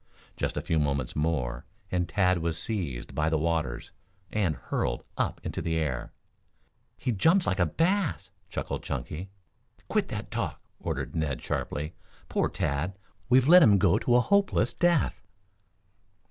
Just a few moments more, and Tad was seized by the waters and hurled up into the air. "He jumps like a bass," chuckled Chunky. "Quit that talk!" ordered Ned sharply. "Poor Tad, we've let him go to a hopeless death!"